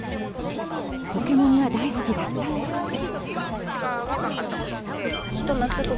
「ポケモン」が大好きだったそうです。